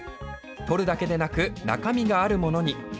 取るだけでなく、中身があるものに。